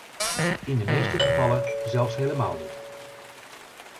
In de meeste gevallen zelfs helemaal niet.